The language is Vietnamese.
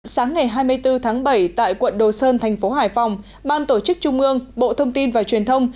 sáng ngày hai mươi bốn tháng bảy tại quận đồ sơn thành phố hải phòng ban tổ chức trung ương bộ thông tin và truyền thông